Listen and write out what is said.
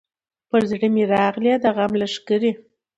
پر زړه مي راغلې د غم لښکري